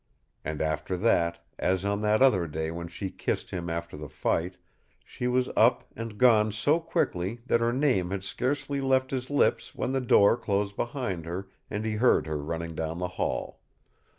And after that, as on that other day when she kissed him after the fight, she was up and gone so quickly that her name had scarcely left his lips when the door closed behind her, and he heard her running down the hall.